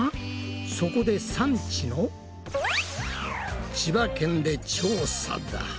そこで産地の千葉県で調査だ。